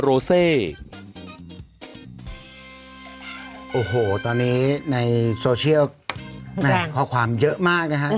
โอ้โหตอนนี้ในโซเชียลแม่ข้อความเยอะมากนะฮะ